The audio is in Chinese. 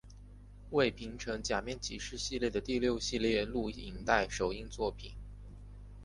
为平成假面骑士系列的第六系列录影带首映作品。